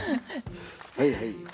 はいはい。